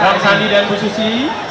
bang sandi dan bu susi